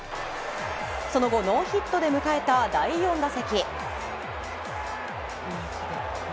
その後、ノーヒットで迎えた第４打席。